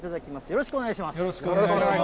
よろしくお願いします。